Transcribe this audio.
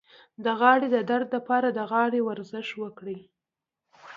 د غاړې د درد لپاره د غاړې ورزش وکړئ